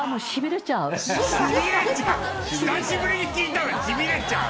久しぶりに聞いたわ「しびれちゃう」